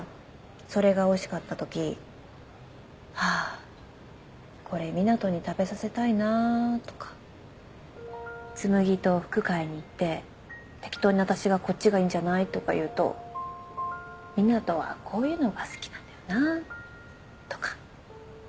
それがおいしかったとき「ああこれ湊斗に食べさせたいな」とか。紬と服買いに行って適当に私がこっちがいいんじゃないとか言うと「湊斗はこういうのが好きなんだよな」とか。